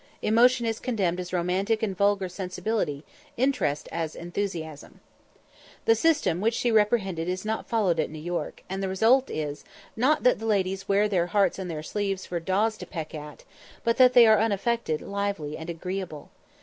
Emotion is condemned as romantic and vulgar sensibility, interest as enthusiasm." The system which she reprehended is not followed at New York, and the result is, not that the ladies "wear their hearts on their sleeves for daws to peck at," but that they are unaffected, lively, and agreeable.